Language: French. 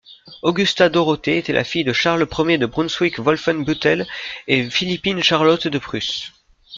Augusta Dorothée était la fille de Charles Ier de Brunswick-Wolfenbüttel, et Philippine-Charlotte de Prusse.